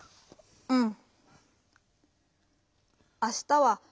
うん。